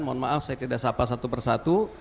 mohon maaf saya tidak sapa satu persatu